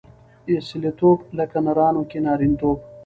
اصیلتوب؛ لکه نرانو کښي نارينه توب.